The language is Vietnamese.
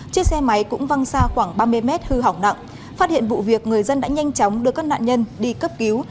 chiếc xe máy cũng văng xa khoảng ba mươi mét hư hỏng nặng phát hiện vụ việc người dân đã nhanh chóng đưa các nạn nhân đi cấp cứu